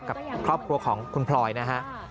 กับครอบครัวของคุณพลอยนะฮะ